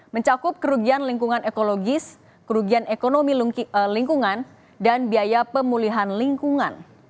mencakup kerugian lingkungan ekologis kerugian ekonomi lingkungan dan biaya pemulihan lingkungan